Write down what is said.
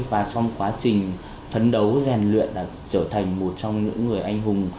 và trong quá trình phấn đấu rèn luyện đã trở thành một trong những người anh hùng